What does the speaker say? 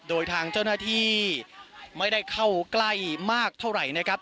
โดยทางเจ้าหน้าที่ไม่ได้เข้าใกล้มากเท่าไหร่นะครับ